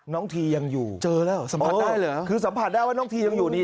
ทียังอยู่เจอแล้วสัมผัสได้เหรอคือสัมผัสได้ว่าน้องทียังอยู่นี่